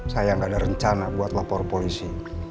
saya nggak ada rencana buat lapor polisi